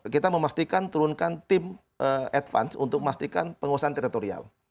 kita memastikan turunkan tim advance untuk memastikan penguasaan teritorial